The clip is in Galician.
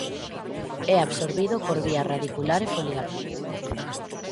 É absorbido por vía radicular e foliar.